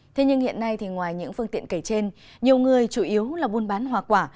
thế nhưng hiện nay ngoài những phương tiện kể trên nhiều người chủ yếu là buôn bán hoa quả